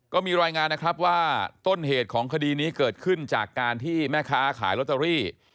ก็มีรายงานนะครับว่าต้นเหตุของคดีนี้เกิดขึ้นจากการที่แม่ค้าขายลอตเตอรี่